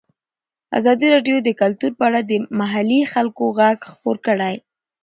ازادي راډیو د کلتور په اړه د محلي خلکو غږ خپور کړی.